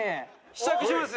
試着します？